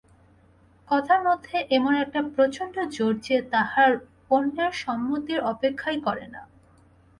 কথার মধ্যে এমন একটা প্রচণ্ড জোর যে, তাহা অন্যের সম্মতির অপেক্ষাই করে না।